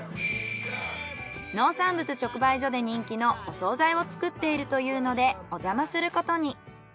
農産物直売所で人気のお惣菜を作っているというのでおじゃますることに。